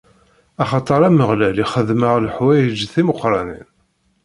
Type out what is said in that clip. Axaṭer Ameɣlal ixdem-aɣ leḥwayeǧ timeqqranin.